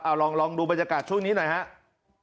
เอาลองดูบรรยากาศช่วงนี้หน่อยครับ